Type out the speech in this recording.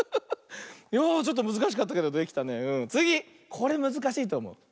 これむずかしいとおもう。